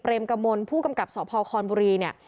เปรมกมลผู้กำกับสภคอนบุรี